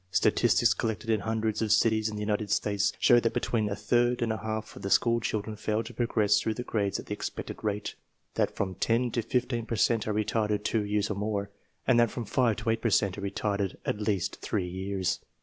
Statistics collected in hundreds of cities in the United States show that between a third and a half of the school children fail to progress through the grades at the expected rate; that from 10 to 15 per cent are retarded two years or more; and that from 5 to 8 per cent are retarded at least three years.